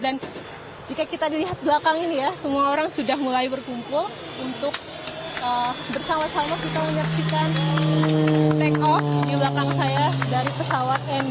dan jika kita lihat belakang ini semua orang sudah mulai berkumpul untuk bersama sama menyertikan take off